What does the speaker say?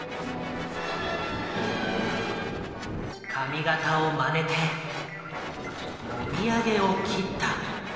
髪型をまねてもみあげを切った。